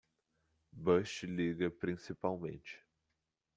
Bush liga principalmente.